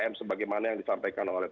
m sebagaimana yang disampaikan oleh